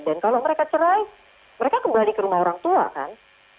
dan kalau mereka cerai mereka kembali ke rumah orang tua kan